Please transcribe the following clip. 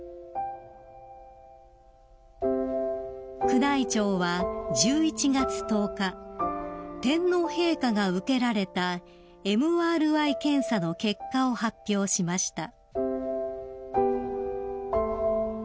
［宮内庁は１１月１０日天皇陛下が受けられたＭＲＩ検査の結果を発表しました］